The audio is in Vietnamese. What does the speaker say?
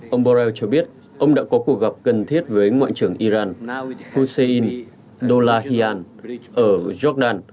ông borrells cho biết ông đã có cuộc gặp cần thiết với ngoại trưởng iran hussein dullahian ở jordan